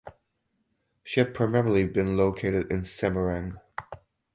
She had primarily been loaded in Semarang.